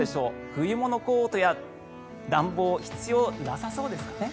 冬物コートや暖房必要なさそうですかね。